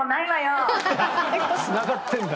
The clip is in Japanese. つながってんだ。